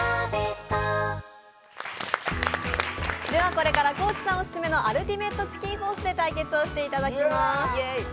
これから高地さんオススメの「アルティメットチキンホース」で対決をしていただきます。